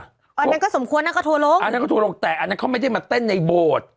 อันนั้นก็สมควรนักขวบโรคแต่อันนั้นเค้าไม่ได้มาเต้นในโบสถ์